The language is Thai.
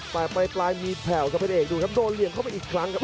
แต่ปลายมีแผ่วครับพระเอกดูครับโดนเหลี่ยมเข้าไปอีกครั้งครับ